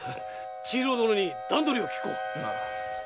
千尋殿に段取りを訊こう。